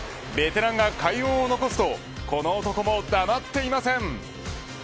ベテランが快音を残すとこの男も黙っていません。